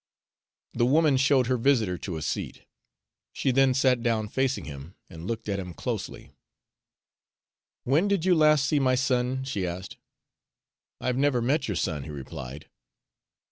The woman showed her visitor to a seat. She then sat down facing him and looked at him closely. "When did you last see my son?" she asked. "I've never met your son," he replied.